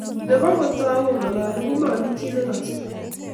Nepo kotau kongalali komamii chii nekasei